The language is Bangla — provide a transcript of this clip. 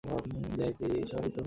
দেখ,,এই সবই তোর মতিভ্রম।